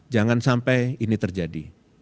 jangan sampai ini terjadi